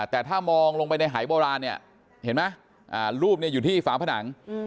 แต่ถ้ามองลงไปในหายโบราณรูปอยู่ที่ฝาผนัง